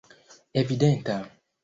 evidenta